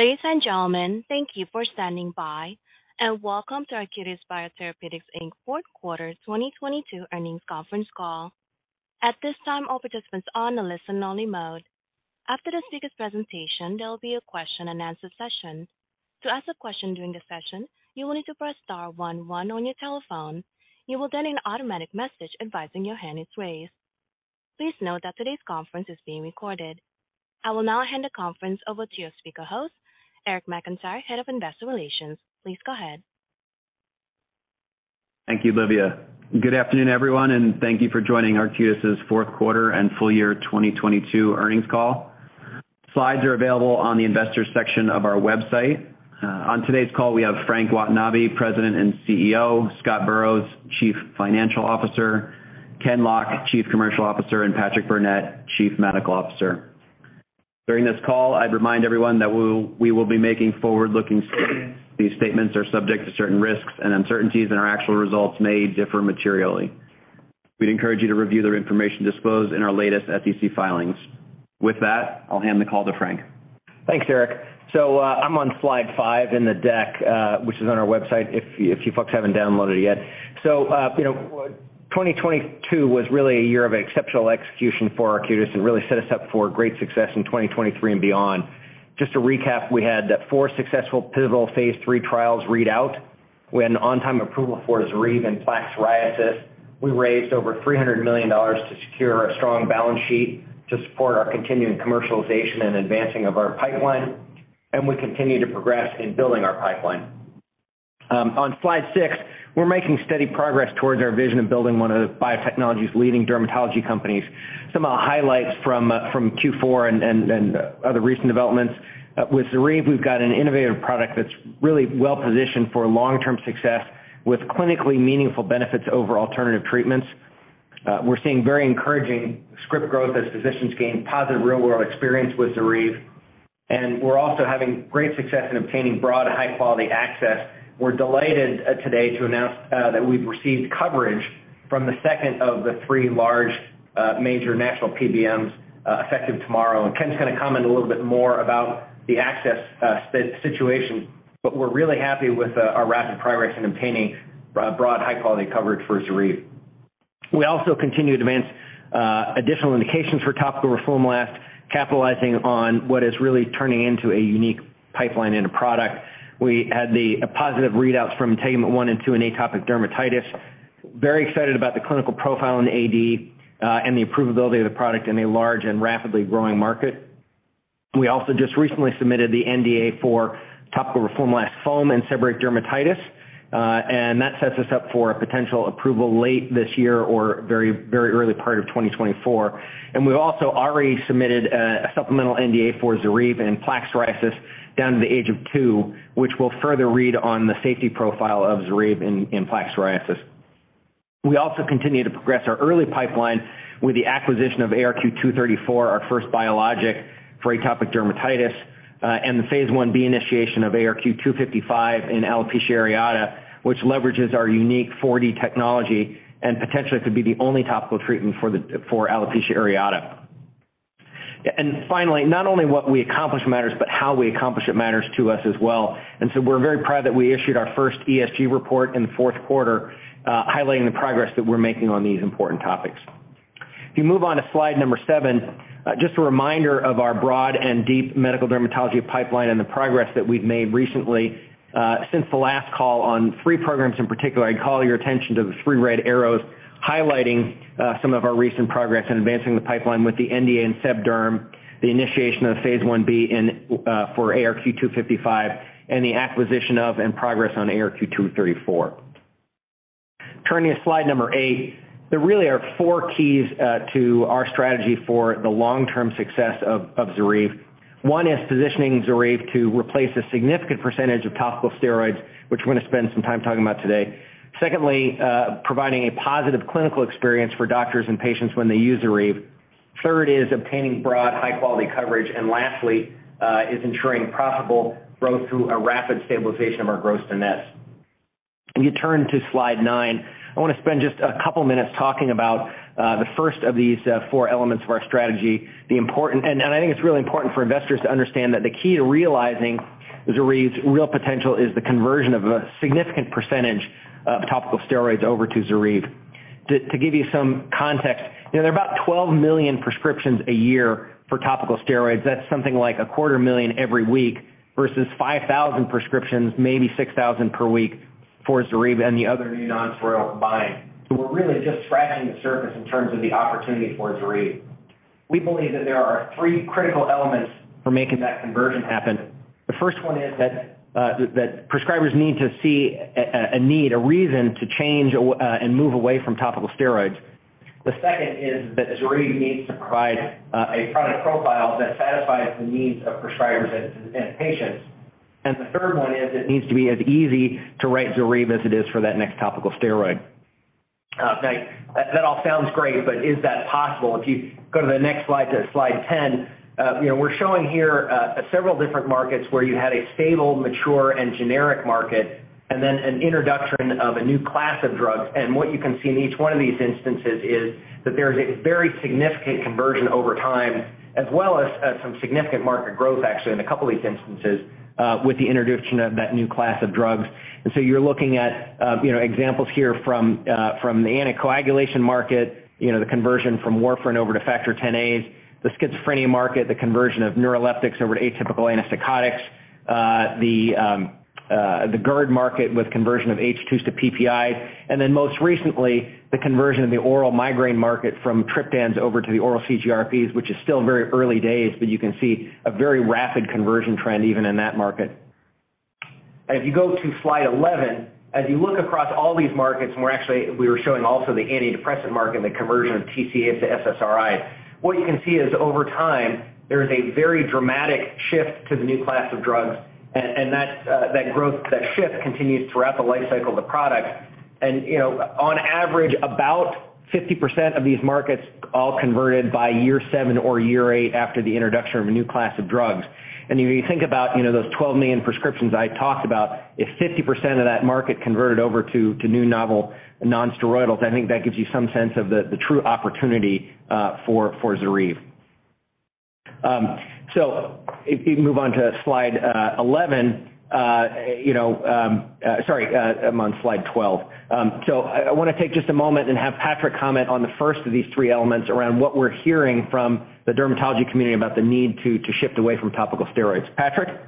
Ladies and gentlemen, thank you for standing by, and welcome to Arcutis Biotherapeutics, Inc. fourth quarter 2022 earnings conference call. At this time, all participants are on a listen only mode. After the speaker's presentation, there will be a question and answer session. To ask a question during the session, you will need to press star one one on your telephone. You will then hear an automatic message advising your hand is raised. Please note that today's conference is being recorded. I will now hand the conference over to your speaker host, Eric McIntyre, Head of Investor Relations. Please go ahead. Thank you, Livia. Good afternoon, everyone, and thank you for joining Arcutis' fourth quarter and full year 2022 earnings call. Slides are available on the investors section of our website. On today's call, we have Frank Watanabe, President and CEO, Scott Burrows, Chief Financial Officer, Ken Lock, Chief Commercial Officer, and Patrick Burnett, Chief Medical Officer. During this call, I'd remind everyone that we will be making forward-looking statements. These statements are subject to certain risks and uncertainties, and our actual results may differ materially. We'd encourage you to review the information disclosed in our latest SEC filings. With that, I'll hand the call to Frank. Thanks, Eric. I'm on slide five in the deck, which is on our website if you folks haven't downloaded it yet. You know, 2022 was really a year of exceptional execution for Arcutis and really set us up for great success in 2023 and beyond. Just to recap, we had four successful pivotal phase III trials read out. We had an on-time approval for ZORYVE in plaque psoriasis. We raised over $300 million to secure a strong balance sheet to support our continuing commercialization and advancing of our pipeline. We continue to progress in building our pipeline. On slide six, we're making steady progress towards our vision of building one of the biotechnology's leading dermatology companies. Some highlights from Q4 and other recent developments. With ZORYVE, we've got an innovative product that's really well-positioned for long-term success with clinically meaningful benefits over alternative treatments. We're seeing very encouraging script growth as physicians gain positive real-world experience with ZORYVE, and we're also having great success in obtaining broad high-quality access. We're delighted today to announce that we've received coverage from the second of the three large major national PBMs effective tomorrow. Ken's gonna comment a little bit more about the access situation. We're really happy with our rapid progress in obtaining broad high-quality coverage for ZORYVE. We also continue to advance additional indications for topical roflumilast, capitalizing on what is really turning into a unique pipeline and a product. We had the positive readouts from INTEGUMENT-1 and -2 in atopic dermatitis. Very excited about the clinical profile in AD, and the approvability of the product in a large and rapidly growing market. We also just recently submitted the NDA for topical roflumilast foam in seborrheic dermatitis, and that sets us up for a potential approval late this year or very, very early part of 2024. We've also already submitted a supplemental NDA for ZORYVE in plaque psoriasis down to the age of two, which will further read on the safety profile of ZORYVE in plaque psoriasis. We also continue to progress our early pipeline with the acquisition of ARQ-234, our first biologic for atopic dermatitis, and the Phase IB initiation of ARQ-255 in alopecia areata, which leverages our unique 4D technology and potentially could be the only topical treatment for alopecia areata. Not only what we accomplish matters, but how we accomplish it matters to us as well. We're very proud that we issued our first ESG report in the fourth quarter, highlighting the progress that we're making on these important topics. If you move on to slide number seven, just a reminder of our broad and deep medical dermatology pipeline and the progress that we've made recently, since the last call on three programs in particular. I'd call your attention to the three red arrows highlighting some of our recent progress in advancing the pipeline with the NDA in seborrheic dermatitis, the initiation of Phase Ib in for ARQ-255, the acquisition of and progress on ARQ-234. Turning to slide number eight, there really are four keys to our strategy for the long-term success of ZORYVE. One is positioning ZORYVE to replace a significant percentage of topical steroids, which we're gonna spend some time talking about today. Secondly, providing a positive clinical experience for doctors and patients when they use ZORYVE. Third is obtaining broad, high-quality coverage. Lastly, is ensuring profitable growth through a rapid stabilization of our gross-to-net. If you turn to slide nine, I wanna spend just a couple minutes talking about the first of these four elements of our strategy. I think it's really important for investors to understand that the key to realizing ZORYVE's real potential is the conversion of a significant percentage of topical steroids over to ZORYVE. To give you some context, you know, there are about 12 million prescriptions a year for topical steroids. That's something like a quarter million every week versus 5,000 prescriptions, maybe 6,000 per week for ZORYVE and the other new nonsteroidals combined. We're really just scratching the surface in terms of the opportunity for ZORYVE. We believe that there are three critical elements for making that conversion happen. The first one is that prescribers need to see a need, a reason to change and move away from topical steroids. The second is that ZORYVE needs to provide a product profile that satisfies the needs of prescribers and patients. The third one is it needs to be as easy to write ZORYVE as it is for that next topical steroid. That all sounds great, but is that possible? If you go to the next slide, to slide 10, you know, we're showing here, several different markets where you had a stable, mature, and generic market and then an introduction of a new class of drugs. What you can see in each one of these instances is that there is a very significant conversion over time, as well as some significant market growth, actually, in a couple of these instances, with the introduction of that new class of drugs. You're looking at, you know, examples here from the anticoagulation market, you know, the conversion from warfarin over to Factor Xa's, the schizophrenia market, the conversion of neuroleptics over to atypical antipsychotics, the GERD market with conversion of H2s to PPI, and then most recently, the conversion of the oral migraine market from triptans over to the oral CGRPs, which is still very early days, but you can see a very rapid conversion trend even in that market. If you go to slide 11, as you look across all these markets, we were showing also the antidepressant market and the conversion of TCA to SSRI. What you can see is over time, there is a very dramatic shift to the new class of drugs, and that growth, that shift continues throughout the life cycle of the product. You know, on average, about 50% of these markets all converted by year seven or year eight after the introduction of a new class of drugs. If you think about, you know, those 12 million prescriptions I talked about, if 50% of that market converted over to new novel non-steroidals, I think that gives you some sense of the true opportunity for ZORYVE. If you move on to slide 11, you know, sorry, I'm on slide 12. I wanna take just a moment and have Patrick comment on the first of these three elements around what we're hearing from the dermatology community about the need to shift away from topical steroids. Patrick?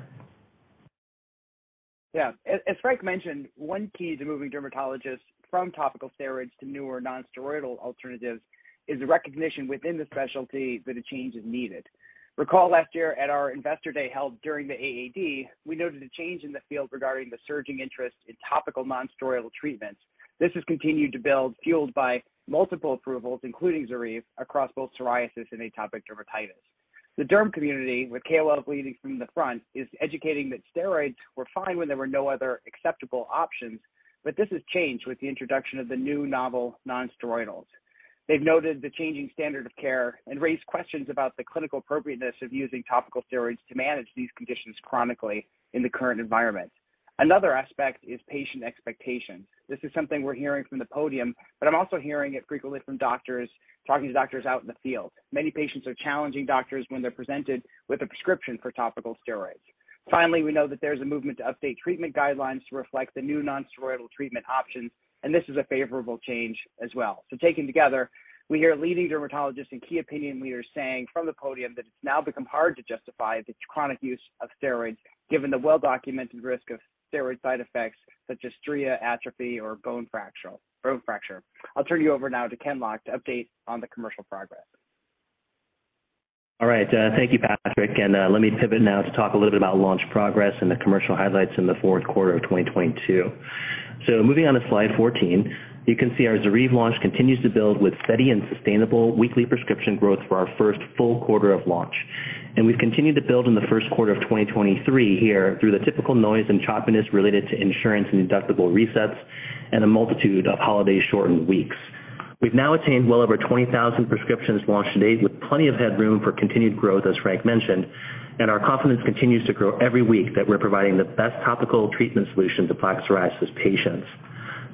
Yeah. As Frank mentioned, one key to moving dermatologists from topical steroids to newer non-steroidal alternatives is the recognition within the specialty that a change is needed. Recall last year at our investor day held during the AAD, we noted a change in the field regarding the surging interest in topical non-steroidal treatments. This has continued to build, fueled by multiple approvals, including ZORYVE, across both psoriasis and atopic dermatitis. The derm community, with KOLs leading from the front, is educating that steroids were fine when there were no other acceptable options, but this has changed with the introduction of the new novel non-steroidals. They've noted the changing standard of care and raised questions about the clinical appropriateness of using topical steroids to manage these conditions chronically in the current environment. Another aspect is patient expectation. This is something we're hearing from the podium, but I'm also hearing it frequently from doctors talking to doctors out in the field. Many patients are challenging doctors when they're presented with a prescription for topical steroids. Finally, we know that there's a movement to update treatment guidelines to reflect the new non-steroidal treatment options, and this is a favorable change as well. Taken together, we hear leading dermatologists and key opinion leaders saying from the podium that it's now become hard to justify the chronic use of steroids given the well-documented risk of steroid side effects such as striae atrophy or bone fracture. I'll turn you over now to Ken Lock to update on the commercial progress. All right. Thank you, Patrick. Let me pivot now to talk a little bit about launch progress and the commercial highlights in the fourth quarter of 2022. Moving on to slide 14, you can see our ZORYVE launch continues to build with steady and sustainable weekly prescription growth for our first full quarter of launch. We've continued to build in the first quarter of 2023 here through the typical noise and choppiness related to insurance and deductible resets and a multitude of holiday shortened weeks. We've now attained well over 20,000 prescriptions launch to date with plenty of headroom for continued growth, as Frank mentioned. Our confidence continues to grow every week that we're providing the best topical treatment solution to plaque psoriasis patients.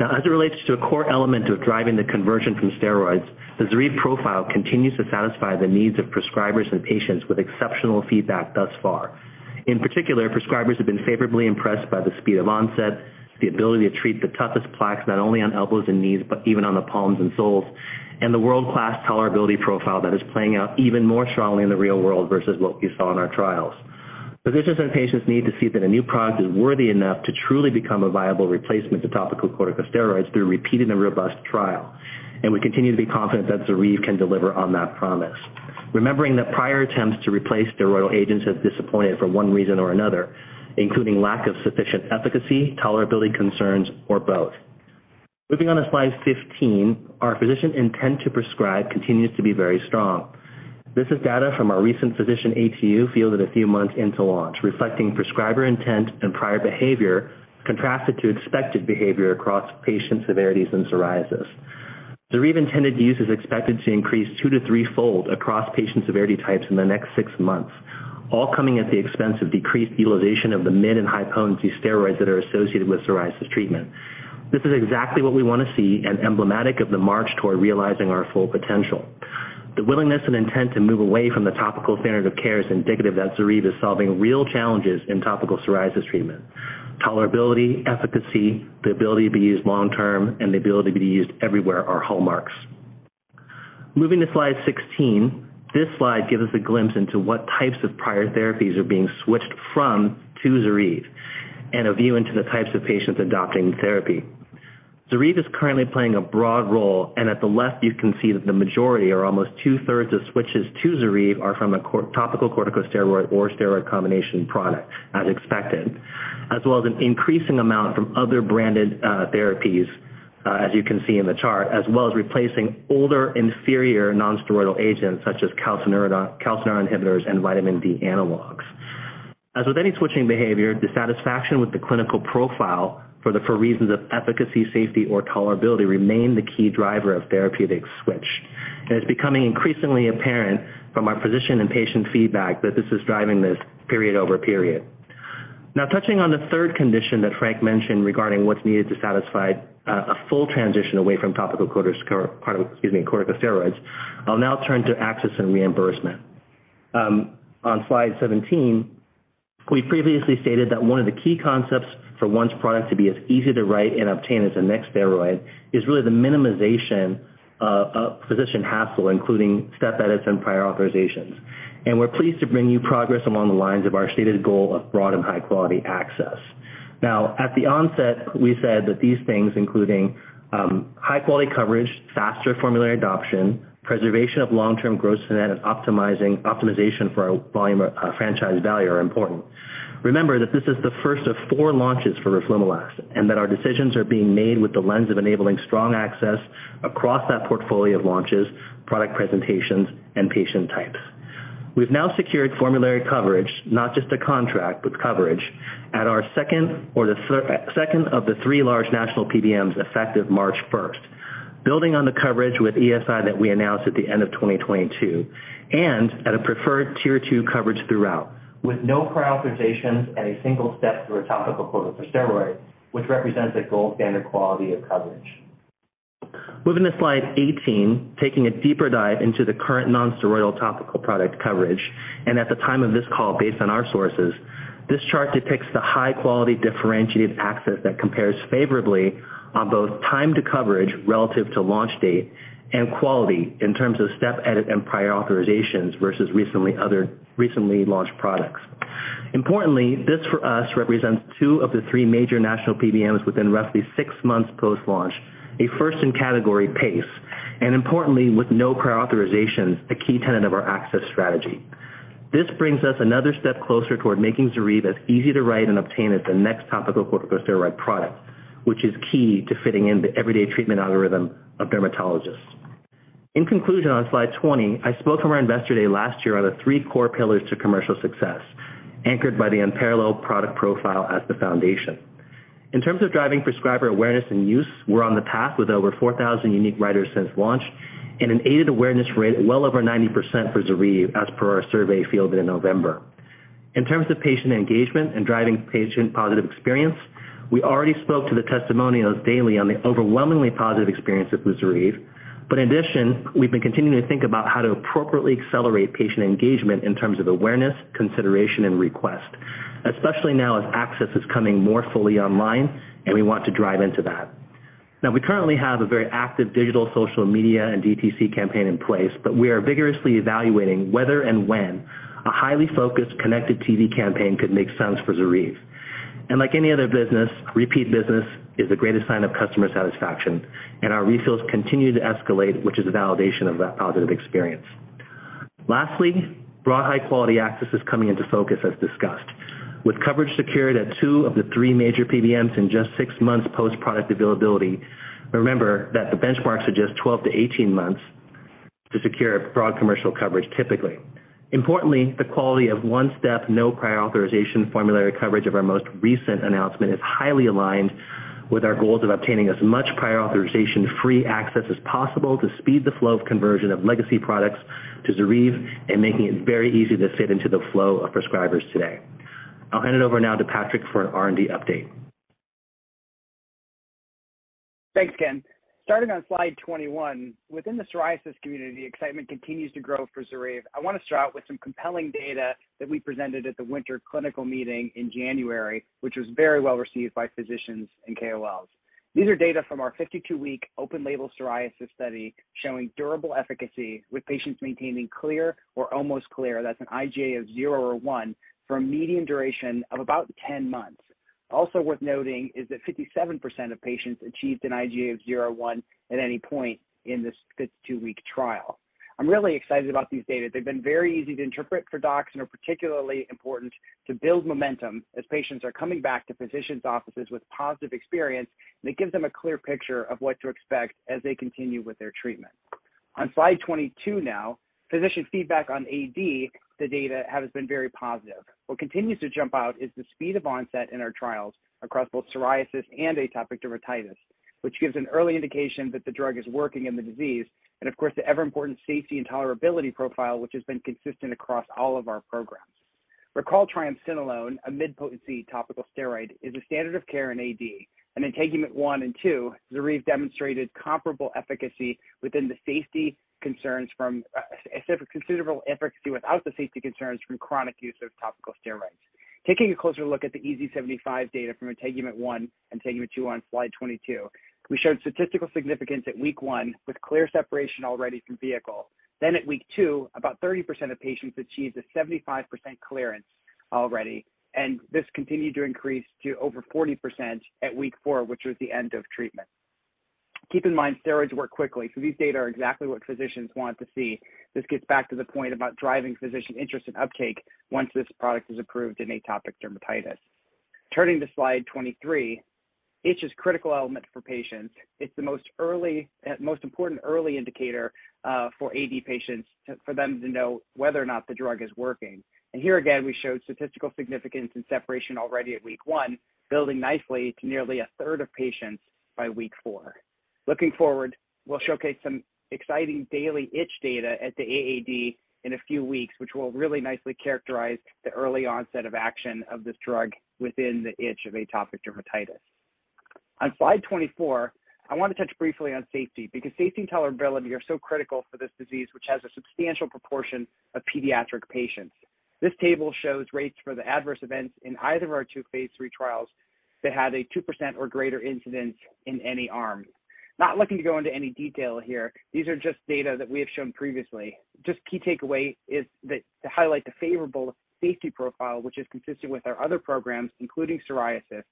As it relates to a core element of driving the conversion from steroids, the ZORYVE profile continues to satisfy the needs of prescribers and patients with exceptional feedback thus far. In particular, prescribers have been favorably impressed by the speed of onset, the ability to treat the toughest plaques, not only on elbows and knees, but even on the palms and soles, and the world-class tolerability profile that is playing out even more strongly in the real world versus what we saw in our trials. Physicians and patients need to see that a new product is worthy enough to truly become a viable replacement to topical corticosteroids through repeating a robust trial. We continue to be confident that ZORYVE can deliver on that promise. Remembering that prior attempts to replace steroidal agents have disappointed for one reason or another, including lack of sufficient efficacy, tolerability concerns, or both. Moving on to slide 15, our physician intent to prescribe continues to be very strong. This is data from our recent physician APU fielded a few months into launch, reflecting prescriber intent and prior behavior contrasted to expected behavior across patient severities in psoriasis. ZORYVE intended use is expected to increase two-three fold across patient severity types in the next six months, all coming at the expense of decreased utilization of the mid- and high-potency steroids that are associated with psoriasis treatment. This is exactly what we want to see and emblematic of the march toward realizing our full potential. The willingness and intent to move away from the topical standard of care is indicative that ZORYVE is solving real challenges in topical psoriasis treatment. Tolerability, efficacy, the ability to be used long-term, and the ability to be used everywhere are hallmarks. Moving to slide 16. This slide gives us a glimpse into what types of prior therapies are being switched from to ZORYVE, and a view into the types of patients adopting the therapy. ZORYVE is currently playing a broad role, at the left you can see that the majority or almost 2/3 of switches to ZORYVE are from a topical corticosteroid or steroid combination product, as expected, as well as an increasing amount from other branded therapies, as you can see in the chart, as well as replacing older, inferior non-steroidal agents such as calcineurin inhibitors and vitamin D analogues. As with any switching behavior, dissatisfaction with the clinical profile for reasons of efficacy, safety, or tolerability remain the key driver of therapeutic switch. It's becoming increasingly apparent from our physician and patient feedback that this is driving this period over period. Now touching on the third condition that Frank mentioned regarding what's needed to satisfy a full transition away from topical pardon, excuse me, corticosteroids, I'll now turn to access and reimbursement. On Slide 17, we previously stated that one of the key concepts for once product to be as easy to write and obtain as the next steroid is really the minimization of physician hassle, including step edits and prior authorizations. We're pleased to bring you progress along the lines of our stated goal of broad and high-quality access. At the onset, we said that these things, including high-quality coverage, faster formulary adoption, preservation of long-term gross net, and optimization for our volume franchise value are important. Remember that this is the first of four launches for roflumilast, that our decisions are being made with the lens of enabling strong access across that portfolio of launches, product presentations, and patient types. We've now secured formulary coverage, not just a contract, but coverage at our second or the second of the three large national PBMs effective March 1st. Building on the coverage with ESI that we announced at the end of 2022, at a preferred tier two coverage throughout, with no prior authorizations and a single step through a topical corticosteroid, which represents a gold standard quality of coverage. Moving to Slide 18, taking a deeper dive into the current non-steroidal topical product coverage, and at the time of this call, based on our sources, this chart depicts the high-quality differentiated access that compares favorably on both time to coverage relative to launch date and quality in terms of step edit and prior authorizations versus recently launched products. Importantly, this for us represents two of the three major national PBMs within roughly six months post-launch, a first in category pace, and importantly, with no prior authorizations, a key tenet of our access strategy. This brings us another step closer toward making ZORYVE as easy to write and obtain as the next topical corticosteroid product, which is key to fitting in the everyday treatment algorithm of dermatologists. In conclusion, on Slide 20, I spoke on our Investor Day last year on the three core pillars to commercial success, anchored by the unparalleled product profile as the foundation. In terms of driving prescriber awareness and use, we're on the path with over 4,000 unique writers since launch and an aided awareness rate well over 90% for ZORYVE as per our survey fielded in November. In terms of patient engagement and driving patient positive experience, we already spoke to the testimonials daily on the overwhelmingly positive experience with ZORYVE. In addition, we've been continuing to think about how to appropriately accelerate patient engagement in terms of awareness, consideration, and request, especially now as access is coming more fully online, and we want to drive into that. We currently have a very active digital social media and DTC campaign in place, but we are vigorously evaluating whether and when a highly focused connected TV campaign could make sense for ZORYVE. Like any other business, repeat business is the greatest sign of customer satisfaction, and our refills continue to escalate, which is a validation of that positive experience. Lastly, broad high-quality access is coming into focus as discussed. With coverage secured at two of the three major PBMs in just six months post product availability. Remember that the benchmarks are just 12-18 months to secure a broad commercial coverage typically. Importantly, the quality of one step, no prior authorization formulary coverage of our most recent announcement is highly aligned with our goals of obtaining as much prior authorization-free access as possible to speed the flow of conversion of legacy products to ZORYVE and making it very easy to fit into the flow of prescribers today. I'll hand it over now to Patrick for an R&D update. Thanks, Ken. Starting on Slide 21. Within the psoriasis community, excitement continues to grow for ZORYVE. I wanna start out with some compelling data that we presented at the winter clinical meeting in January, which was very well received by physicians and KOLs. These are data from our 52-week open label psoriasis study showing durable efficacy with patients maintaining clear or almost clear, that's an IGA of zero or one, for a median duration of about 10 months. Worth noting is that 57% of patients achieved an IGA of zero or one at any point in this 52-week trial. I'm really excited about these data. They've been very easy to interpret for docs and are particularly important to build momentum as patients are coming back to physicians' offices with positive experience, it gives them a clear picture of what to expect as they continue with their treatment. On Slide 22 now, physician feedback on AD, the data has been very positive. What continues to jump out is the speed of onset in our trials across both psoriasis and atopic dermatitis, which gives an early indication that the drug is working in the disease, and of course, the ever important safety and tolerability profile, which has been consistent across all of our programs. Recall triamcinolone, a mid-potency topical steroid, is a standard of care in AD. In INTEGUMENT-1 and -2, ZORYVE demonstrated a considerable efficacy without the safety concerns from chronic use of topical steroids. Taking a closer look at the EASI-75 data from INTEGUMENT-1 and INTEGUMENT-2 on Slide 22, we showed statistical significance at week one with clear separation already from vehicle. At week two, about 30% of patients achieved a 75% clearance already, and this continued to increase to over 40% at week four, which was the end of treatment. Keep in mind, steroids work quickly, so these data are exactly what physicians want to see. This gets back to the point about driving physician interest and uptake once this product is approved in atopic dermatitis. Turning to slide 23, itch is critical element for patients. It's the most important early indicator for AD patients for them to know whether or not the drug is working. Here again, we showed statistical significance and separation already at week one, building nicely to nearly a third of patients by week four. Looking forward, we'll showcase some exciting daily itch data at the AAD in a few weeks, which will really nicely characterize the early onset of action of this drug within the itch of atopic dermatitis. On slide 24, I want to touch briefly on safety, because safety and tolerability are so critical for this disease, which has a substantial proportion of pediatric patients. This table shows rates for the adverse events in either of our two phase III trials that had a 2% or greater incidence in any arm. Not looking to go into any detail here. These are just data that we have shown previously. Key takeaway is that to highlight the favorable safety profile, which is consistent with our other programs, including psoriasis.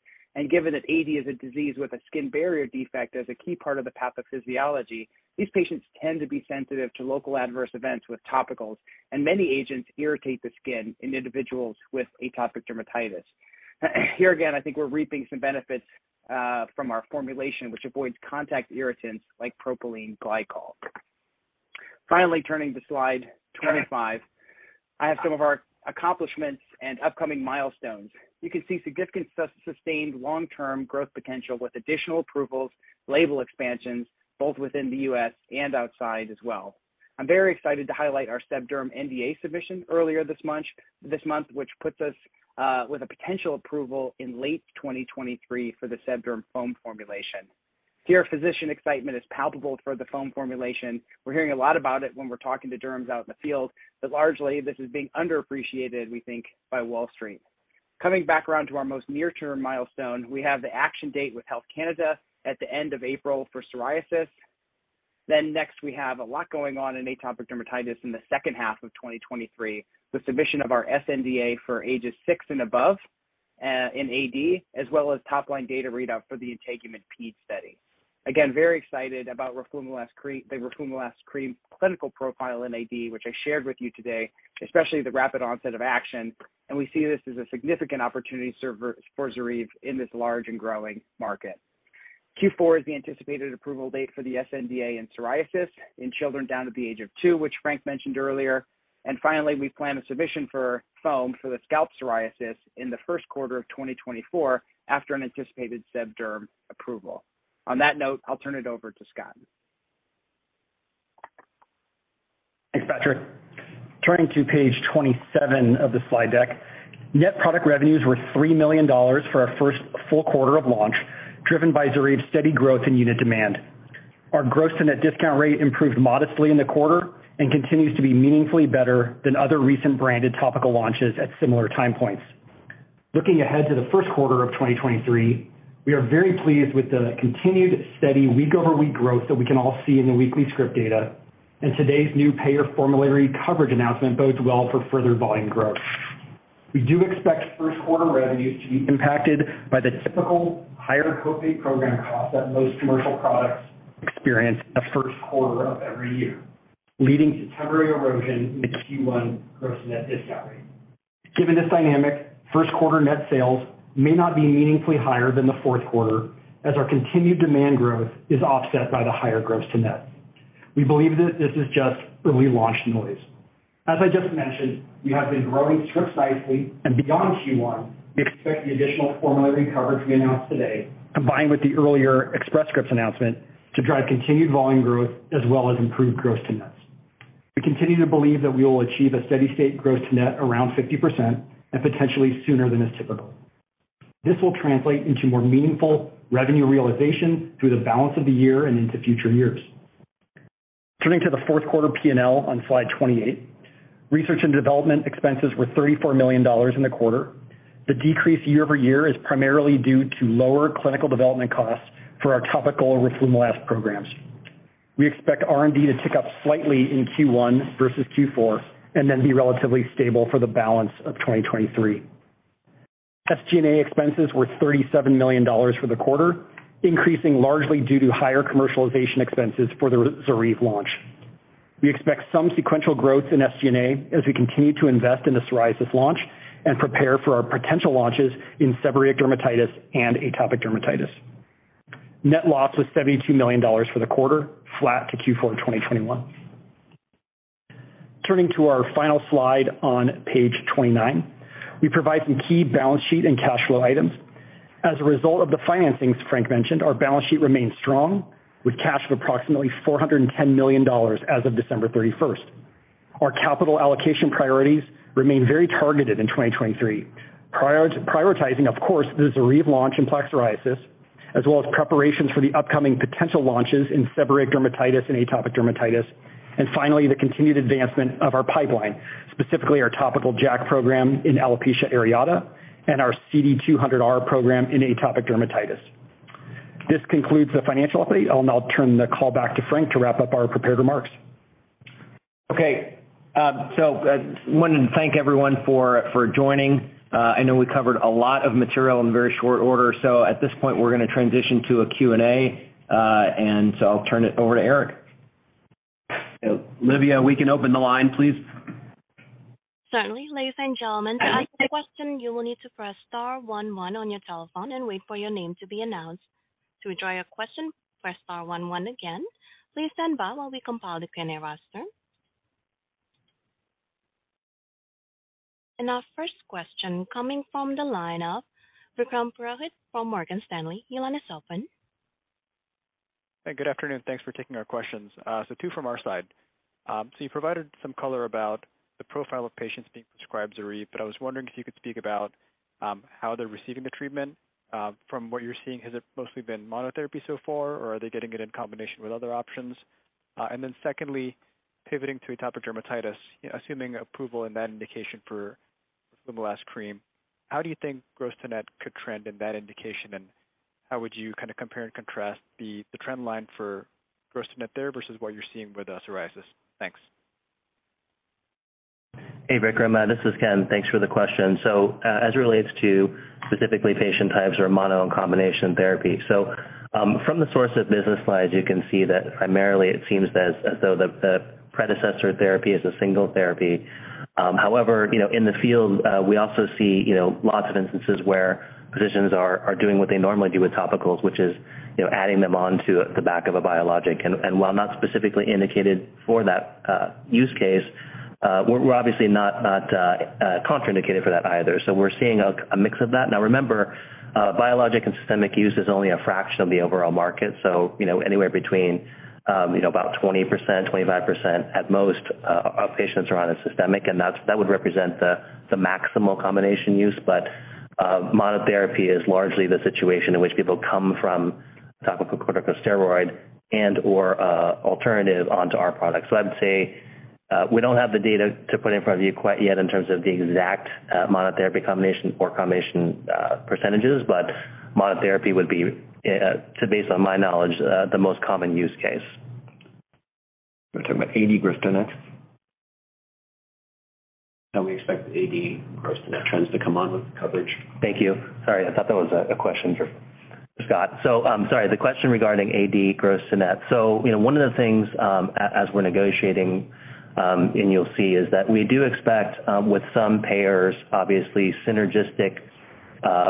Given that AD is a disease with a skin barrier defect as a key part of the pathophysiology, these patients tend to be sensitive to local adverse events with topicals. Many agents irritate the skin in individuals with atopic dermatitis. Here again, I think we're reaping some benefits from our formulation, which avoids contact irritants like propylene glycol. Finally, turning to slide 25, I have some of our accomplishments and upcoming milestones. You can see significant sustained long-term growth potential with additional approvals, label expansions, both within the U.S. and outside as well. I'm very excited to highlight our SEBDERM NDA submission earlier this month, which puts us with a potential approval in late 2023 for the SEBDERM foam formulation. Here, physician excitement is palpable for the foam formulation. We're hearing a lot about it when we're talking to derms out in the field, but largely, this is being underappreciated, we think, by Wall Street. Coming back around to our most near-term milestone, we have the action date with Health Canada at the end of April for psoriasis. Next, we have a lot going on in atopic dermatitis in the second half of 2023, with submission of our sNDA for ages six and above, in AD, as well as top line data readout for the INTEGUMENT-PED study. Again, very excited about the roflumilast cream clinical profile in AD, which I shared with you today, especially the rapid onset of action, and we see this as a significant opportunity for ZORYVE in this large and growing market. Q4 is the anticipated approval date for the sNDA in psoriasis in children down to the age of two, which Frank mentioned earlier. Finally, we plan a submission for foam for the scalp psoriasis in the first quarter of 2024 after an anticipated SEBDERM approval. On that note, I'll turn it over to Scott. Thanks, Patrick. Turning to page 27 of the slide deck, net product revenues were $3 million for our first full quarter of launch, driven by ZORYVE's steady growth in unit demand. Our gross-to-net discount rate improved modestly in the quarter and continues to be meaningfully better than other recent branded topical launches at similar time points. Looking ahead to the first quarter of 2023, we are very pleased with the continued steady week-over-week growth that we can all see in the weekly script data. Today's new payer formulary coverage announcement bodes well for further volume growth. We do expect first quarter revenues to be impacted by the typical higher co-pay program cost that most commercial products experience the first quarter of every year, leading to temporary erosion in Q1 gross-to-net discount rate. Given this dynamic, first quarter net sales may not be meaningfully higher than the fourth quarter as our continued demand growth is offset by the higher gross-to-net. We believe that this is just early launch noise. As I just mentioned, we have been growing scripts nicely, beyond Q1, we expect the additional formulary coverage we announced today, combined with the earlier Express Scripts announcement, to drive continued volume growth as well as improved gross-to-nets. We continue to believe that we will achieve a steady state gross-to-net around 50% and potentially sooner than is typical. This will translate into more meaningful revenue realization through the balance of the year and into future years. Turning to the fourth quarter P&L on slide 28, research and development expenses were $34 million in the quarter. The decrease year over year is primarily due to lower clinical development costs for our topical roflumilast programs. We expect R&D to tick up slightly in Q1 versus Q4, and then be relatively stable for the balance of 2023. SG&A expenses were $37 million for the quarter, increasing largely due to higher commercialization expenses for the ZORYVE launch. We expect some sequential growth in SG&A as we continue to invest in the psoriasis launch and prepare for our potential launches in seborrheic dermatitis and atopic dermatitis. Net loss was $72 million for the quarter, flat to Q4 in 2021. Turning to our final slide on page 29, we provide some key balance sheet and cash flow items. As a result of the financings Frank mentioned, our balance sheet remains strong, with cash of approximately $410 million as of December 31st. Our capital allocation priorities remain very targeted in 2023. Prioritizing, of course, the ZORYVE launch in plaque psoriasis, as well as preparations for the upcoming potential launches in seborrheic dermatitis and atopic dermatitis, and finally, the continued advancement of our pipeline, specifically our topical JAK program in alopecia areata and our CD200R program in atopic dermatitis. This concludes the financial update. I'll now turn the call back to Frank to wrap up our prepared remarks. Okay, wanted to thank everyone for joining. I know we covered a lot of material in very short order, so at this point, we're gonna transition to a Q&A. I'll turn it over to Eric. Olivia, we can open the line, please. Certainly. Ladies and gentlemen, to ask a question, you will need to press star one one on your telephone and wait for your name to be announced. To withdraw your question, press star one one again. Please stand by while we compile the Q&A roster. Our first question coming from the line of Vikram Purohit from Morgan Stanley. Your line is open. Hey, good afternoon. Thanks for taking our questions. Two from our side. You provided some color about the profile of patients being prescribed ZORYVE, but I was wondering if you could speak about how they're receiving the treatment. From what you're seeing, has it mostly been monotherapy so far, or are they getting it in combination with other options? Then secondly, pivoting to atopic dermatitis, assuming approval in that indication for roflumilast cream, how do you think gross-to-net could trend in that indication? How would you kind of compare and contrast the trend line for gross-to-net there versus what you're seeing with psoriasis? Thanks. Hey, Vikram, this is Ken. Thanks for the question. As it relates to specifically patient types or mono and combination therapy. From the source of business slides, you can see that primarily it seems as though the predecessor therapy is a single therapy. However, you know, in the field, we also see, you know, lots of instances where physicians are doing what they normally do with topicals, which is, you know, adding them on to the back of a biologic. While not specifically indicated for that use case, we're obviously not contraindicated for that either. We're seeing a mix of that. Now remember, biologic and systemic use is only a fraction of the overall market. You know, anywhere between, you know, about 20%, 25% at most, of patients are on a systemic, and that would represent the maximal combination use. Monotherapy is largely the situation in which people come from topical corticosteroid and/or alternative onto our product. I would say, we don't have the data to put in front of you quite yet in terms of the exact monotherapy combination or combination percentages, but monotherapy would be, to base on my knowledge, the most common use case. We're talking about AD gross-to-net. How we expect AD gross-to-net trends to come on with coverage. Thank you. Sorry, I thought that was a question for Scott. Sorry, the question regarding AD gross-to-net. You know, one of the things as we're negotiating, and you'll see, is that we do expect with some payers, obviously synergistic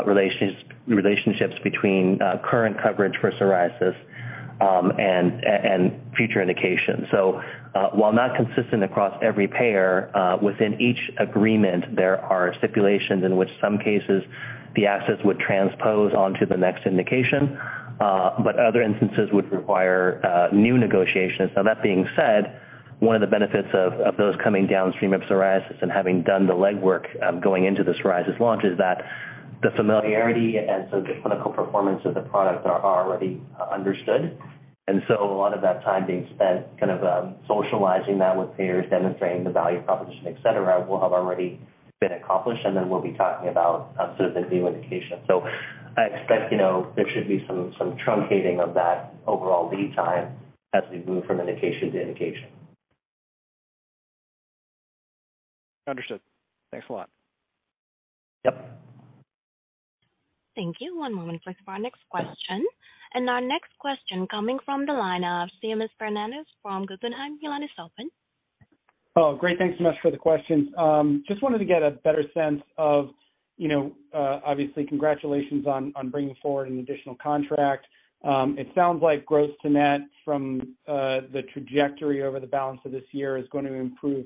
relationships between current coverage for psoriasis, and future indications. While not consistent across every payer, within each agreement, there are stipulations in which some cases the assets would transpose onto the next indication, but other instances would require new negotiations. That being said, one of the benefits of those coming downstream of psoriasis and having done the legwork, going into the psoriasis launch is that the familiarity and the clinical performance of the product are already understood. A lot of that time being spent kind of, socializing that with payers, demonstrating the value proposition, et cetera, will have already been accomplished, and then we'll be talking about, sort of the new indication. I expect, you know, there should be some truncating of that overall lead time as we move from indication to indication. Understood. Thanks a lot. Yep. Thank you. One moment please for our next question. Our next question coming from the line of Seamus Fernandez from Guggenheim. Your line is open. Oh, great, thanks so much for the questions. Just wanted to get a better sense of, you know, obviously congratulations on bringing forward an additional contract. It sounds like gross-to-net from the trajectory over the balance of this year is going to improve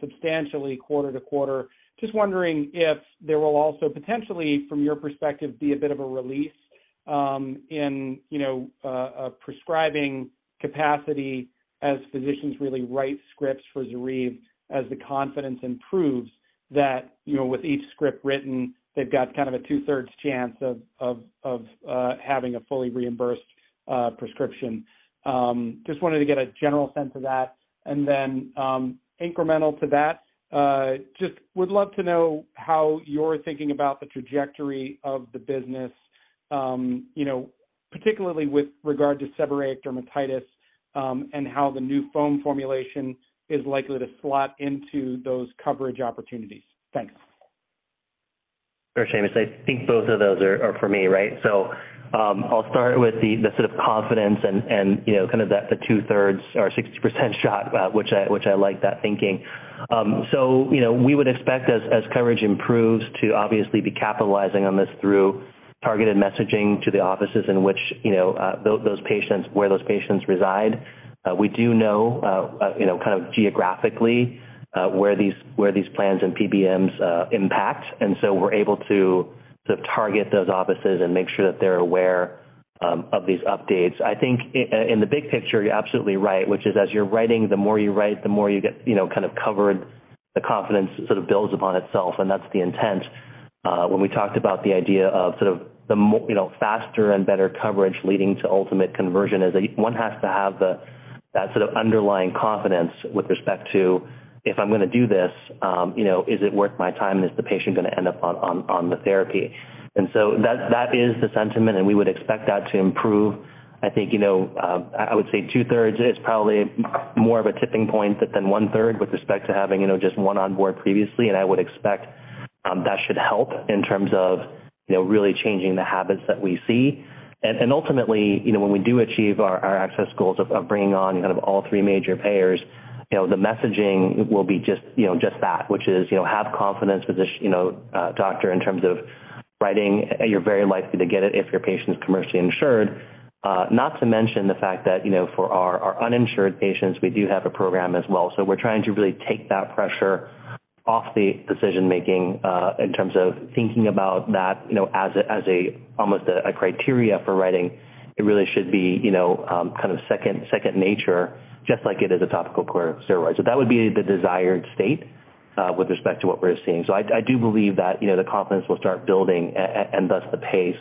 substantially quarter to quarter. Just wondering if there will also potentially, from your perspective, be a bit of a release, in, you know, prescribing capacity as physicians really write scripts for ZORYVE as the confidence improves that, you know, with each script written, they've got kind of a 2/3 chance of having a fully reimbursed prescription. Just wanted to get a general sense of that. Incremental to that, just would love to know how you're thinking about the trajectory of the business, you know, particularly with regard to seborrheic dermatitis, and how the new foam formulation is likely to slot into those coverage opportunities. Thanks. Sure, Seamus. I think both of those are for me, right? I'll start with the sort of confidence and, you know, kind of the 2/3 or 60% shot, which I like that thinking. You know, we would expect as coverage improves to obviously be capitalizing on this through targeted messaging to the offices in which, you know, those patients, where those patients reside. We do know, you know, kind of geographically, where these plans and PBMs impact. We're able to sort of target those offices and make sure that they're aware of these updates. I think in the big picture, you're absolutely right, which is as you're writing, the more you write, the more you get, you know, kind of covered, the confidence sort of builds upon itself, and that's the intent. When we talked about the idea of sort of the, you know, faster and better coverage leading to ultimate conversion is that one has to have the, that sort of underlying confidence with respect to, if I'm gonna do this, you know, is it worth my time? Is the patient gonna end up on the therapy? That is the sentiment, and we would expect that to improve. I think, you know, I would say 2/3 is probably more of a tipping point than 1/3 with respect to having, you know, just one on board previously. I would expect that should help in terms of, you know, really changing the habits that we see. Ultimately, you know, when we do achieve our access goals of bringing on kind of all three major payers, you know, the messaging will be just, you know, just that, which is, you know, have confidence with this, you know, doctor in terms of writing. You're very likely to get it if your patient is commercially insured. Not to mention the fact that, you know, for our uninsured patients, we do have a program as well. We're trying to really take that pressure off the decision-making, in terms of thinking about that, you know, as a, as a, almost a criteria for writing. It really should be, you know, kind of second nature, just like it is a topical steroid. That would be the desired state, with respect to what we're seeing. I do believe that, you know, the confidence will start building and thus the pace.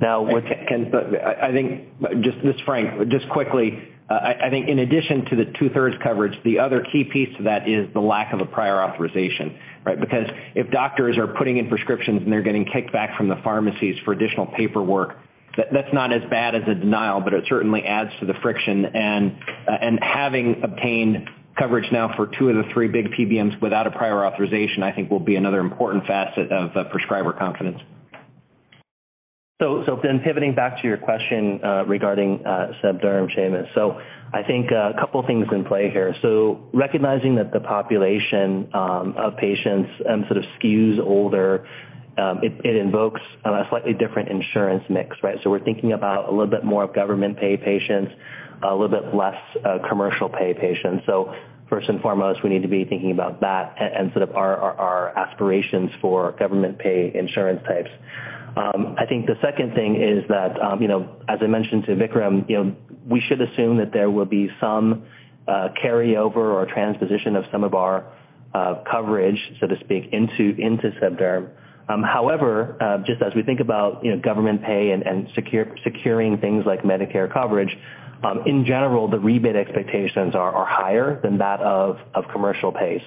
Now. Ken, this is Frank. Quickly, I think in addition to the 2/3 coverage, the other key piece to that is the lack of a prior authorization, right? Because if doctors are putting in prescriptions and they're getting kicked back from the pharmacies for additional paperwork, that's not as bad as a denial, but it certainly adds to the friction. Having obtained coverage now for two of the three big PBMs without a prior authorization, I think will be another important facet of prescriber confidence. Pivoting back to your question regarding Sebderm, Seamus. I think a couple of things in play here. Recognizing that the population of patients sort of skews older, it invokes a slightly different insurance mix, right? We're thinking about a little bit more of government pay patients, a little bit less commercial pay patients. First and foremost, we need to be thinking about that and sort of our aspirations for government pay insurance types. I think the second thing is that, you know, as I mentioned to Vikram, you know, we should assume that there will be some carryover or transposition of some of our coverage, so to speak, into Sebderm. However, just as we think about, you know, government pay and securing things like Medicare coverage, in general, the rebate expectations are higher than that of commercial pay.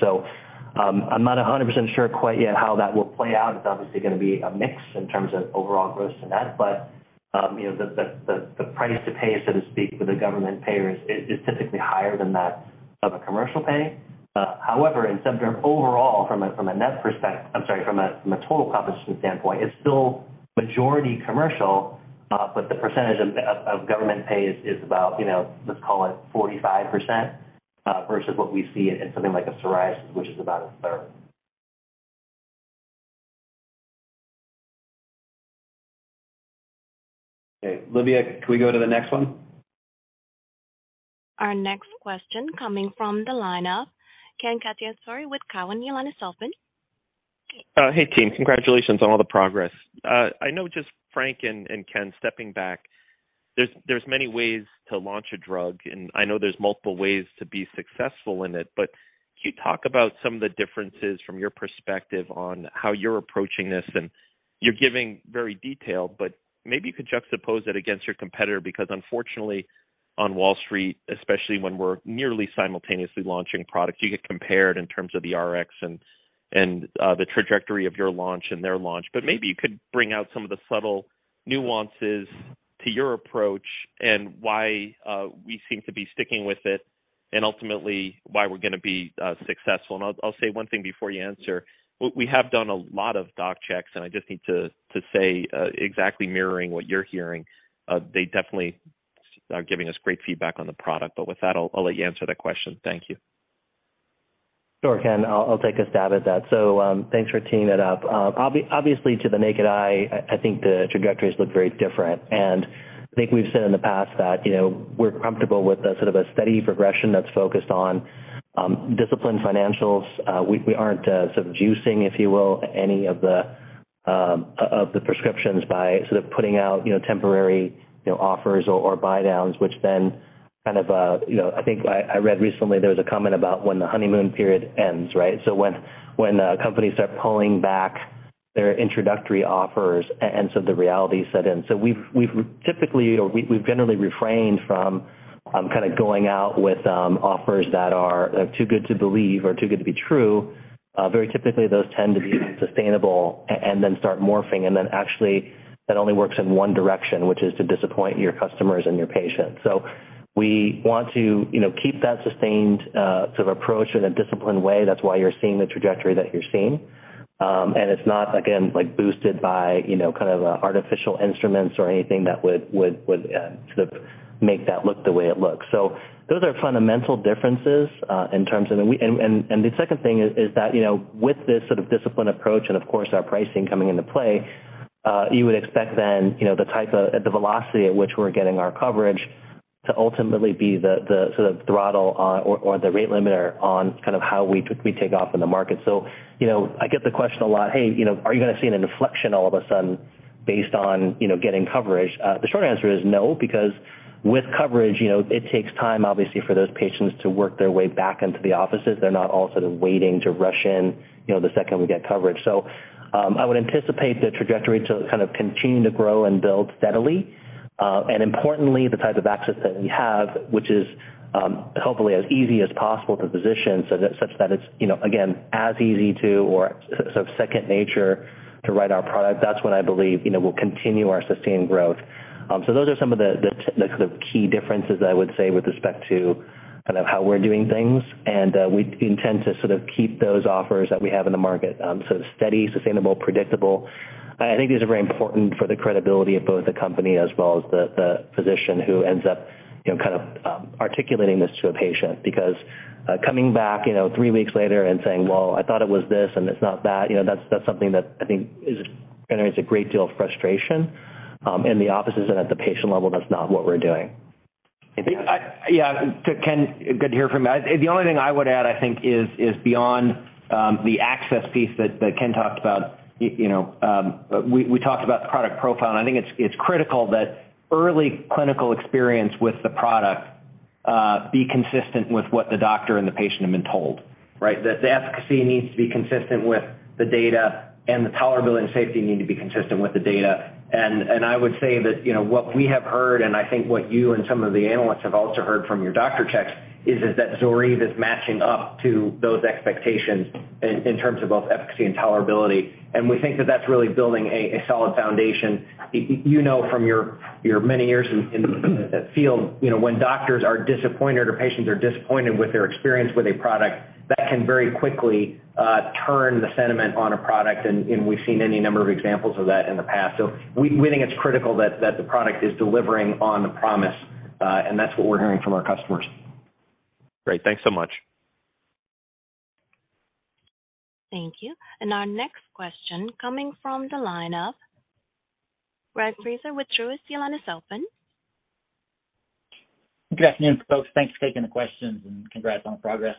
I'm not 100% sure quite yet how that will play out. It's obviously gonna be a mix in terms of overall gross-to-net. You know, the price to pay, so to speak, for the government payers is typically higher than that of a commercial pay. However, in Sebderm overall, from a net perspective, I'm sorry, from a total compensation standpoint, it's still majority commercial, but the percentage of government pay is about, you know, let's call it 45%, versus what we see in something like a psoriasis, which is about 1/3 Okay. Livia, can we go to the next one? Our next question coming from the line of Ken Cacciatore with Cowen, Your line is open. Hey, team. Congratulations on all the progress. I know just Frank and Ken stepping back, there's many ways to launch a drug, and I know there's multiple ways to be successful in it. Could you talk about some of the differences from your perspective on how you're approaching this? You're giving very detailed, but maybe you could juxtapose it against your competitor, because unfortunately, on Wall Street, especially when we're nearly simultaneously launching products, you get compared in terms of the Rx and the trajectory of your launch and their launch. Maybe you could bring out some of the subtle nuances to your approach and why we seem to be sticking with it and ultimately why we're gonna be successful. I'll say one thing before you answer. We have done a lot of doc checks, I just need to say, exactly mirroring what you're hearing. They definitely are giving us great feedback on the product. With that, I'll let you answer that question? Thank you. Sure, Ken. I'll take a stab at that. Thanks for teeing it up. Obviously, to the naked eye, I think the trajectories look very different. I think we've said in the past that, you know, we're comfortable with a sort of a steady progression that's focused on disciplined financials. We aren't sort of juicing, if you will, any of the prescriptions by sort of putting out, you know, temporary, you know, offers or buy downs, which then kind of, you know, I read recently there was a comment about when the honeymoon period ends, right? When companies start pulling back their introductory offers and the reality set in. We've typically or we've generally refrained from kind of going out with offers that are too good to believe or too good to be true. Very typically those tend to be unsustainable and then start morphing, and then actually that only works in one direction, which is to disappoint your customers and your patients. We want to, you know, keep that sustained sort of approach in a disciplined way. That's why you're seeing the trajectory that you're seeing. And it's not, again, like boosted by, you know, kind of artificial instruments or anything that would sort of make that look the way it looks. Those are fundamental differences in terms of... The second thing is that, you know, with this sort of disciplined approach and of course our pricing coming into play, you would expect then, you know, the velocity at which we're getting our coverage to ultimately be the sort of throttle, or the rate limiter on kind of how we take off in the market. You know, I get the question a lot, "Hey, you know, are you gonna see an inflection all of a sudden based on, you know, getting coverage?" The short answer is no, because with coverage, you know, it takes time, obviously, for those patients to work their way back into the offices. They're not all sort of waiting to rush in, you know, the second we get coverage. I would anticipate the trajectory to kind of continue to grow and build steadily. Importantly, the type of access that we have, which is, hopefully as easy as possible to physicians such that it's, you know, again, as easy to or sort of second nature to write our product. That's when I believe, you know, we'll continue our sustained growth. Those are some of the sort of key differences I would say with respect to kind of how we're doing things. We intend to sort of keep those offers that we have in the market, sort of steady, sustainable, predictable. I think these are very important for the credibility of both the company as well as the physician who ends up, you know, kind of, articulating this to a patient because, coming back, you know, three weeks later and saying, "Well, I thought it was this, and it's not that," you know, that's something that I think generates a great deal of frustration in the offices and at the patient level, that's not what we're doing. I think. Yeah. Ken, good to hear from you. The only thing I would add, I think is beyond the access piece that Ken talked about, you know, we talked about the product profile, and I think it's critical that early clinical experience with the product be consistent with what the doctor and the patient have been told, right? That the efficacy needs to be consistent with the data, and the tolerability and safety need to be consistent with the data. I would say that, you know, what we have heard, and I think what you and some of the analysts have also heard from your doctor checks is that ZORYVE is matching up to those expectations in terms of both efficacy and tolerability. We think that that's really building a solid foundation. You know from your many years in the field, you know, when doctors are disappointed or patients are disappointed with their experience with a product, that can very quickly turn the sentiment on a product, and we've seen any number of examples of that in the past. We think it's critical that the product is delivering on the promise, and that's what we're hearing from our customers. Great. Thanks so much. Thank you. Our next question coming from the line of Les Sulewski with Truist Securities. Your line is open. Good afternoon, folks. Thanks for taking the questions. Congrats on the progress.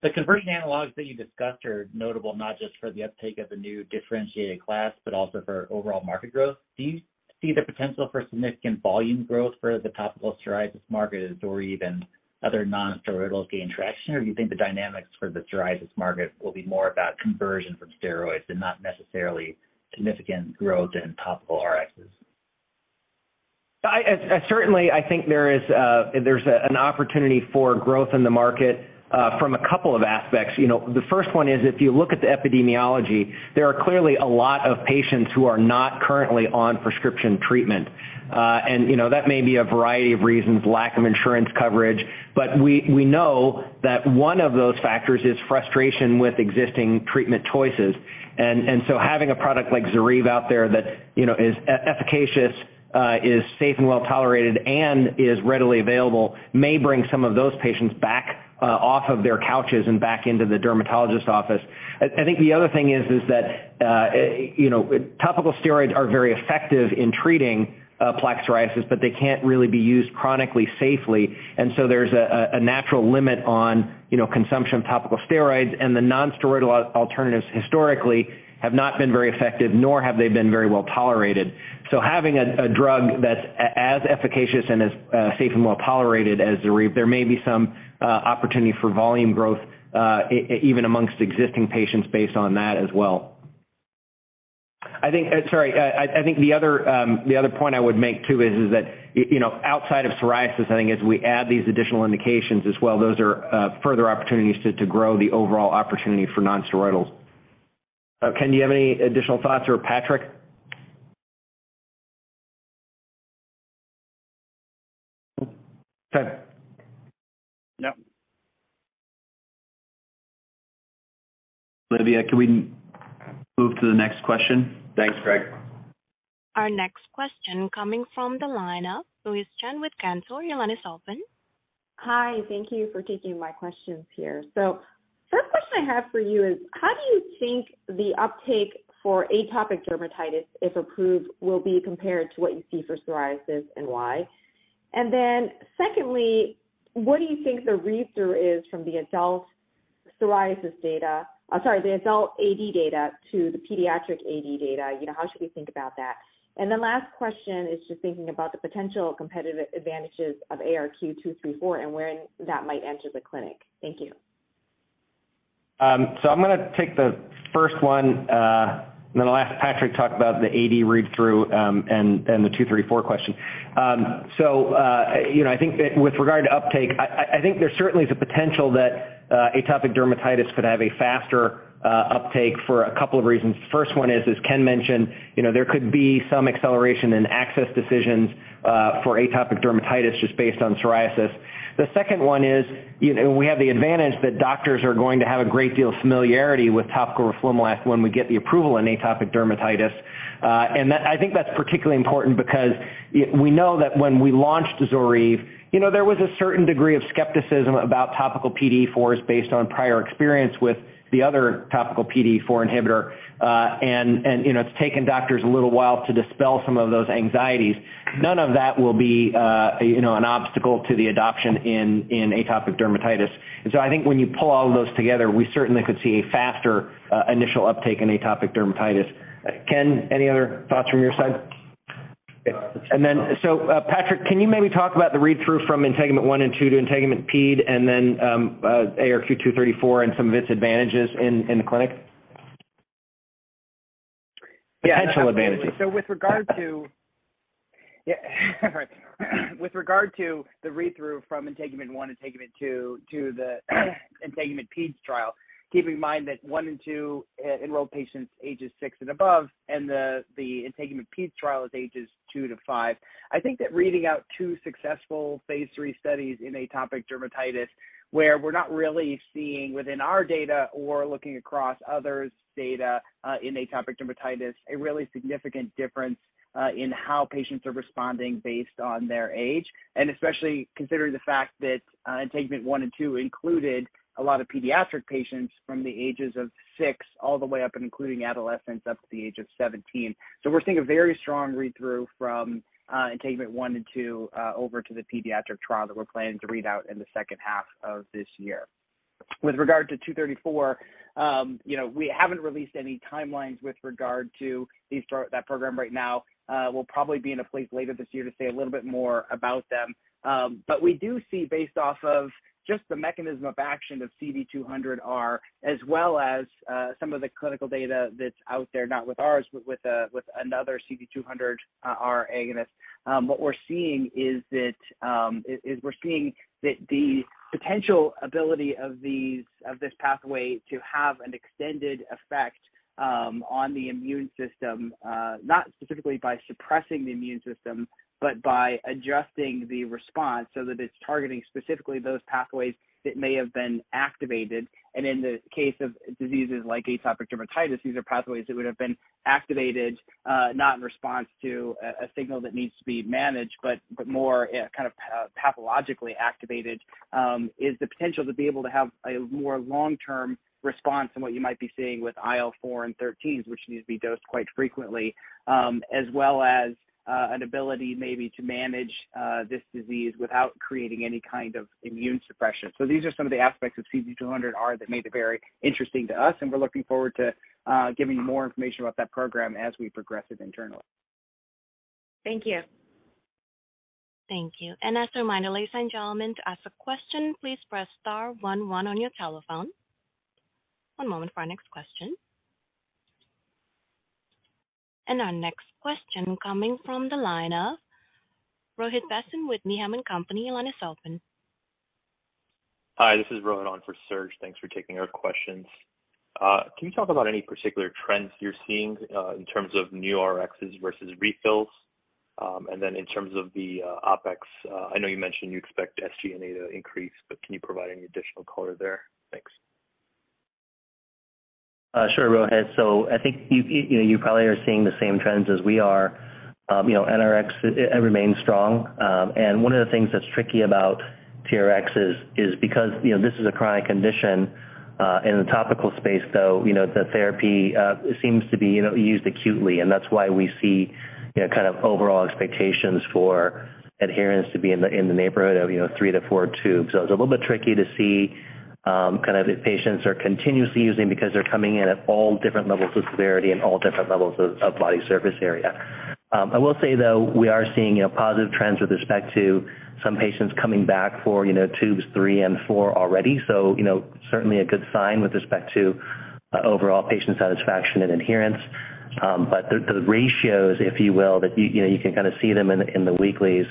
The conversion analogs that you discussed are notable not just for the uptake of the new differentiated class, but also for overall market growth. Do you see the potential for significant volume growth for the topical psoriasis market as ZORYVE and other nonsteroidals gain traction? Or do you think the dynamics for the psoriasis market will be more about conversion from steroids and not necessarily significant growth in topical RXs? I certainly, I think there is, there's an opportunity for growth in the market, from a couple of aspects. You know, the first one is, if you look at the epidemiology, there are clearly a lot of patients who are not currently on prescription treatment. You know, that may be a variety of reasons, lack of insurance coverage. We know that one of those factors is frustration with existing treatment choices. Having a product like ZORYVE out there that, you know, is efficacious, is safe and well-tolerated and is readily available, may bring some of those patients back, off of their couches and back into the dermatologist office. I think the other thing is that, you know, topical steroids are very effective in treating plaque psoriasis, but they can't really be used chronically safely. There's a natural limit on, you know, consumption of topical steroids, and the nonsteroidal alternatives historically have not been very effective, nor have they been very well-tolerated. Having a drug that's as efficacious and as safe and well-tolerated as ZORYVE, there may be some opportunity for volume growth even amongst existing patients based on that as well. I think. Sorry. I think the other, the other point I would make, too, is that, you know, outside of psoriasis, I think as we add these additional indications as well, those are further opportunities to grow the overall opportunity for nonsteroidals. Ken, do you have any additional thoughts, or Patrick Burnett? Ken. No. Olivia can we move to the next question? Thanks, Greg. Our next question coming from the line of Louise Chen with Cantor. Your line is open. Hi. Thank you for taking my questions here. First question I have for you is, how do you think the uptake for atopic dermatitis, if approved, will be compared to what you see for psoriasis, and why? Secondly, what do you think the read through is from the adult psoriasis data, the adult AD data to the pediatric AD data? You know, how should we think about that? Last question is just thinking about the potential competitive advantages of ARQ-234 and when that might enter the clinic. Thank you. I'm gonna take the first one, and then I'll ask Patrick to talk about the AD read-through, and the 234 question. You know, I think that with regard to uptake, I think there certainly is a potential that atopic dermatitis could have a faster uptake for a couple of reasons. First one is, as Ken mentioned, you know, there could be some acceleration in access decisions for atopic dermatitis just based on psoriasis. The second one is, you know, we have the advantage that doctors are going to have a great deal of familiarity with topical roflumilast when we get the approval in atopic dermatitis. I think that's particularly important because we know that when we launched ZORYVE, you know, there was a certain degree of skepticism about topical PDE4s based on prior experience with the other topical PDE4 inhibitor. you know, it's taken doctors a little while to dispel some of those anxieties. None of that will be, you know, an obstacle to the adoption in atopic dermatitis. I think when you pull all of those together, we certainly could see a faster initial uptake in atopic dermatitis. Ken, any other thoughts from your side? No. Patrick, can you maybe talk about the read-through from INTEGUMENT-1 and 2 to INTEGUMENT-PED and then ARQ-234 and some of its advantages in the clinic? Potential advantages. Yeah. With regard to the read-through from INTEGUMENT-1, INTEGUMENT-2 to the INTEGUMENT-PED trial, keeping in mind that 1 and 2 enroll patients ages six and above, and the INTEGUMENT-PED trial is ages two to five. I think that reading out two successful phase III studies in atopic dermatitis, where we're not really seeing within our data or looking across others' data, in atopic dermatitis, a really significant difference in how patients are responding based on their age. Especially considering the fact that INTEGUMENT-1 and 2 included a lot of pediatric patients from the ages of six all the way up, and including adolescents up to the age of 17. We're seeing a very strong read-through from INTEGUMENT-1 and -2 over to the pediatric trial that we're planning to read out in the second half of this year. With regard to ARQ-234, you know, we haven't released any timelines with regard to that program right now. We'll probably be in a place later this year to say a little bit more about them. We do see based off of just the mechanism of action of CD200R, as well as, some of the clinical data that's out there, not with ours, but with another CD200R agonist. What we're seeing is that, is we're seeing that the potential ability of this pathway to have an extended effect on the immune system, not specifically by suppressing the immune system, but by adjusting the response so that it's targeting specifically those pathways that may have been activated. In the case of diseases like atopic dermatitis, these are pathways that would have been activated, not in response to a signal that needs to be managed, but more kind of pathologically activated, is the potential to be able to have a more long-term response than what you might be seeing with IL-4 and 13s, which need to be dosed quite frequently. As well as an ability maybe to manage this disease without creating any kind of immune suppression. These are some of the aspects of CD200R that made it very interesting to us, and we're looking forward to giving you more information about that program as we progress it internally. Thank you. Thank you. As a reminder, ladies and gentlemen, to ask a question, please press star one one on your telephone. One moment for our next question. Our next question coming from the line of Rohit Bhasin with Needham & Company. Your line is open. Hi, this is Rohit on for Serge. Thanks for taking our questions. Can you talk about any particular trends you're seeing, in terms of new RXs versus refills? Then in terms of the OpEx, I know you mentioned you expect SG&A to increase, but can you provide any additional color there? Thanks. Sure, Rohit. I think you know, you probably are seeing the same trends as we are. You know, NRX remains strong. One of the things that's tricky about TRX is because, you know, this is a chronic condition in the topical space, you know, the therapy seems to be, you know, used acutely, and that's why we see, you know, kind of overall expectations for adherence to be in the neighborhood of, you know, three-four tubes. It's a little bit tricky to see, kind of if patients are continuously using because they're coming in at all different levels of severity and all different levels of body surface area. I will say, though, we are seeing, you know, positive trends with respect to some patients coming back for, you know, tubes three and four already. You know, certainly a good sign with respect to overall patient satisfaction and adherence. The, the ratios, if you will, that you know, you can kind of see them in the weeklies,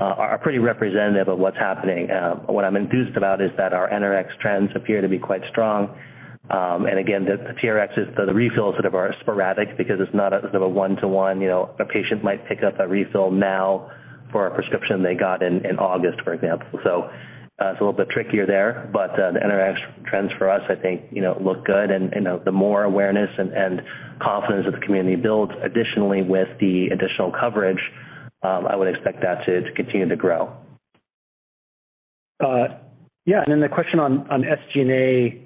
are pretty representative of what's happening. What I'm enthused about is that our NRX trends appear to be quite strong. Again, the TRX is the refills that are sporadic because it's not a sort of a 1-to-1. You know, a patient might pick up a refill now for a prescription they got in August, for example. It's a little bit trickier there. The NRX trends for us, I think, you know, look good and the more awareness and confidence that the community builds additionally with the additional coverage, I would expect that to continue to grow. Yeah. The question on SG&A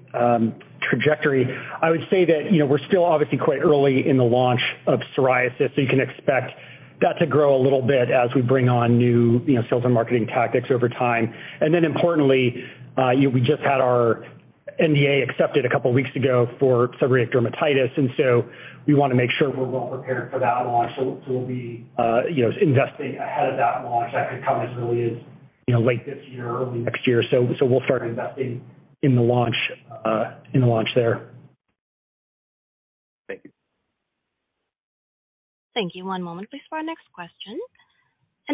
trajectory. I would say that, you know, we're still obviously quite early in the launch of psoriasis, so you can expect that to grow a little bit as we bring on new, you know, sales and marketing tactics over time. Importantly, we just had our NDA accepted a couple of weeks ago for seborrheic dermatitis, and so we want to make sure we're well prepared for that launch. We'll be, you know, investing ahead of that launch. That could come as early as, you know, late this year, early next year. We'll start investing in the launch there. Thank you. Thank you. One moment, please, for our next question.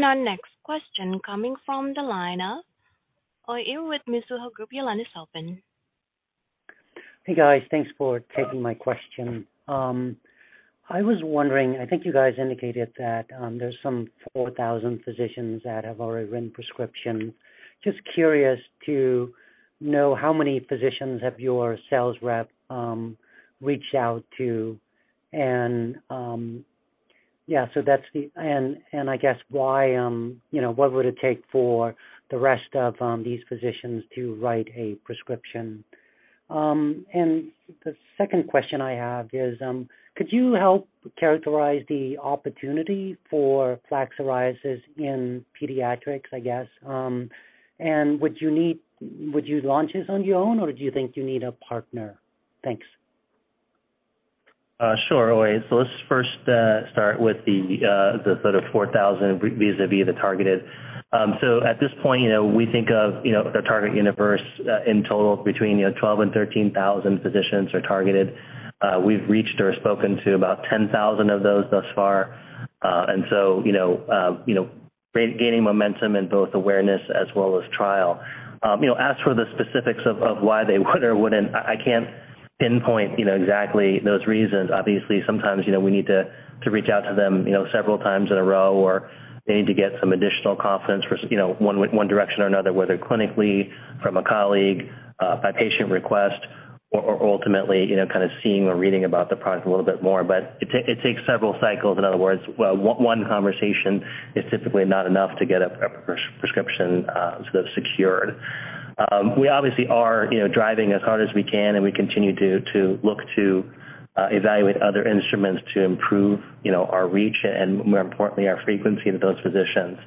Our next question coming from the line of Uy Ear with Mizuho Group. Your line is open. Hey, guys. Thanks for taking my question. I was wondering, I think you guys indicated that there's some 4,000 physicians that have already written prescription. Just curious to know how many physicians have your sales rep reached out to and I guess why, you know, what would it take for the rest of these physicians to write a prescription? The second question I have is, could you help characterize the opportunity for plaque psoriasis in pediatrics, I guess? Would you launch this on your own, or do you think you need a partner? Thanks. Sure, Uy. Let's first start with the sort of 4,000 vis-à-vis the targeted. At this point, you know, we think of, you know, the target universe, in total between, you know, 12,000 and 13,000 physicians are targeted. We've reached or spoken to about 10,000 of those thus far. You know. Great gaining momentum in both awareness as well as trial. You know, as for the specifics of why they would or wouldn't, I can't pinpoint, you know, exactly those reasons. Obviously, sometimes, you know, we need to reach out to them, you know, several times in a row, or they need to get some additional confidence for, you know, one direction or another, whether clinically from a colleague, by patient request or ultimately, you know, kind of seeing or reading about the product a little bit more. It takes several cycles. In other words, one conversation is typically not enough to get a prescription sort of secured. We obviously are, you know, driving as hard as we can, and we continue to look to evaluate other instruments to improve, you know, our reach and more importantly, our frequency with those physicians.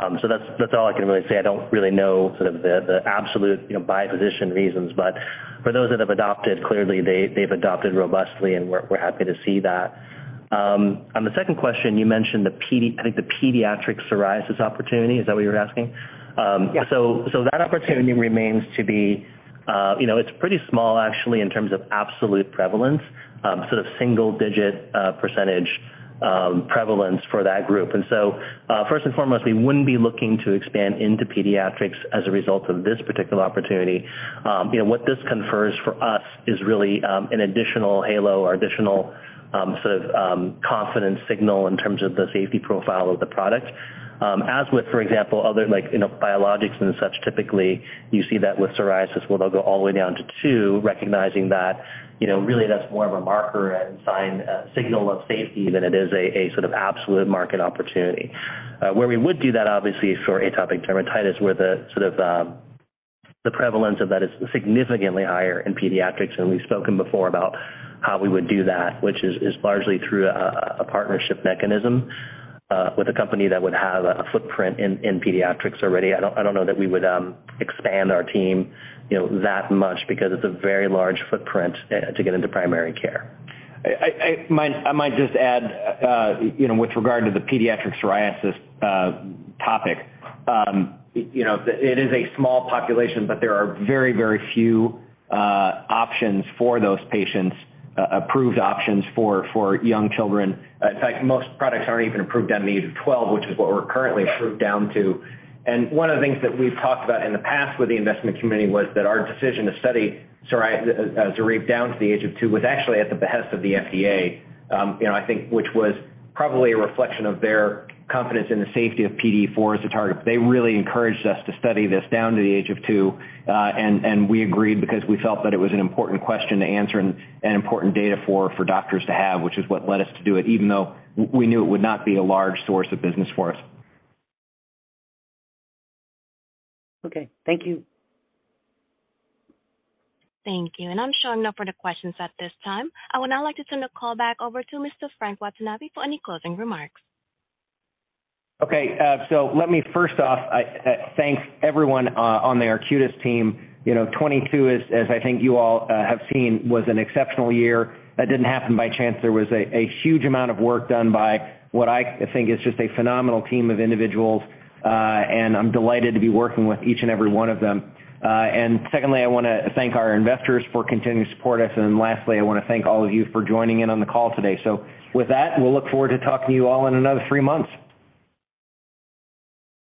That's all I can really say. I don't really know sort of the absolute, you know, by physician reasons, but for those that have adopted, clearly they've adopted robustly, and we're happy to see that. On the second question, you mentioned the pediatric psoriasis opportunity. Is that what you're asking? Yes. So that opportunity remains to be, you know, it's pretty small actually, in terms of absolute prevalence, sort of single digit, percentage prevalence for that group. First and foremost, we wouldn't be looking to expand into pediatrics as a result of this particular opportunity. You know, what this confers for us is really, an additional halo or additional, sort of, confidence signal in terms of the safety profile of the product. As with, for example, other like, you know, biologics and such, typically you see that with psoriasis where they'll go all the way down to two, recognizing that, you know, really that's more of a marker and sign, signal of safety than it is a sort of absolute market opportunity. Where we would do that obviously for atopic dermatitis, where the sort of, the prevalence of that is significantly higher in pediatrics. We've spoken before about how we would do that, which is largely through a partnership mechanism, with a company that would have a footprint in pediatrics already. I don't know that we would, expand our team, you know, that much because it's a very large footprint, to get into primary care. I might just add, you know, with regard to the pediatric psoriasis topic, you know, it is a small population, but there are very, very few options for those patients, approved options for young children. In fact, most products aren't even approved on the age of 12, which is what we're currently approved down to. One of the things that we've talked about in the past with the investment community was that our decision to study ZORYVE down to the age of two was actually at the behest of the FDA. You know, I think, which was probably a reflection of their confidence in the safety of PDE4 as a target. They really encouraged us to study this down to the age of two. We agreed because we felt that it was an important question to answer and important data for doctors to have, which is what led us to do it, even though we knew it would not be a large source of business for us. Okay, thank you. Thank you. I'm showing no further questions at this time. I would now like to turn the call back over to Mr. Frank Watanabe for any closing remarks. Okay. Let me first off, I thank everyone on the Arcutis team. You know, 22 as I think you all have seen, was an exceptional year. That didn't happen by chance. There was a huge amount of work done by what I think is just a phenomenal team of individuals. I'm delighted to be working with each and every one of them. Secondly, I wanna thank our investors for continuing to support us. Lastly, I wanna thank all of you for joining in on the call today. With that, we'll look forward to talking to you all in another three months.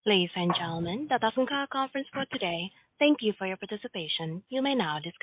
Ladies and gentlemen, that concludes our conference for today. Thank you for your participation. You may now disconnect.